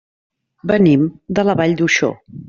Venim de la Vall d'Uixó.